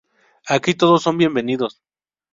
Aquí todos son bienvenidos.